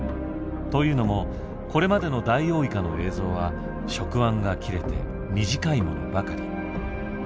というのもこれまでのダイオウイカの映像は触腕が切れて短いものばかり。